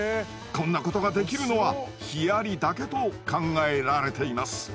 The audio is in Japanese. こんなができるのはヒアリだけと考えられています。